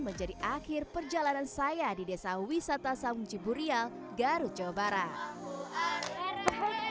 menjadi akhir perjalanan saya di desa wisata saung ciburial garut jawa barat